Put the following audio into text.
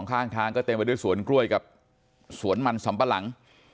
ข้างทางก็เต็มไปด้วยสวนกล้วยกับสวนมันสำปะหลัง